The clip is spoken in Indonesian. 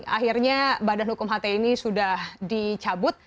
akhirnya badan hukum hti ini sudah dicabut